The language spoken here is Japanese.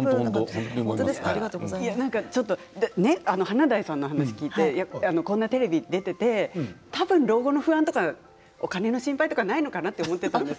華大さんの話を聞いてこんなテレビに出ていてたぶん老後の不安とかお金の心配とかないのかなと思っていたんですけど。